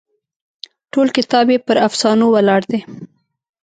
ټول کتاب یې پر افسانو ولاړ دی.